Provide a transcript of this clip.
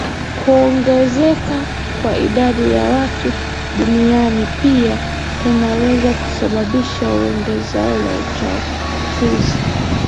Kuongezeka kwa idadi ya watu duniani pia kunaweza kusababisha ongezeko la uchafuzi